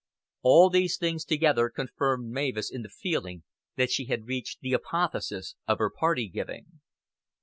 All these things together confirmed Mavis in the feeling that she had reached the apotheosis of her party giving.